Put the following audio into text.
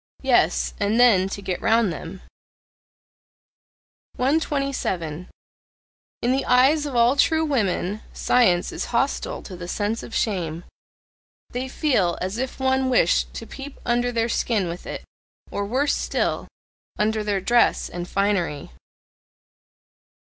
Yes, and then to get round them. 127. In the eyes of all true women science is hostile to the sense of shame. They feel as if one wished to peep under their skin with it or worse still! under their dress and finery.